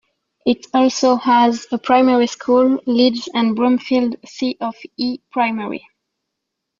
It also has a primary school, Leeds and Broomfield C of E Primary.